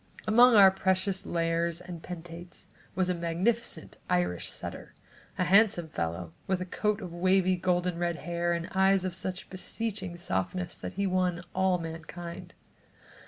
Among our precious lares and penates, was a magnificent Irish setter, a handsome fellow with a coat of wavy golden red hair and eyes of such beseeching softness that he won all mankind.